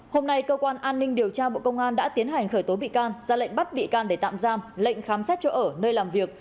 hôm nay cơ quan an ninh điều tra bộ công an đã tiến hành khởi tố bị can ra lệnh bắt bị can để tạm giam lệnh khám xét chỗ ở nơi làm việc